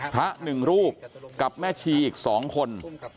พระหนึ่งรูปกับแม่ชีอีก๒คน